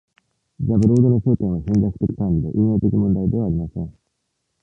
ザ・ブロードの焦点は戦略的管理で、運営的問題ではありません。